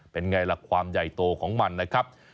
เป็นไงล่ะความใหญ่โตของมันนะครับ